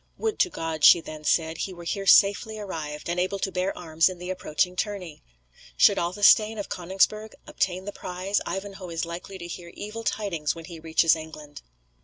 "Would to God," she then said, "he were here safely arrived, and able to bear arms in the approaching tourney. Should Athelstane of Coningsburgh obtain the prize, Ivanhoe is like to hear evil tidings when he reaches England."